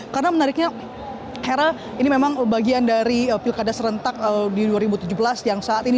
karena menariknya hera ini memang bagian dari pilkada serentak di dua ribu tujuh belas yang saat ini